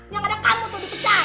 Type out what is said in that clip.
yang ada kamu tuh dipecat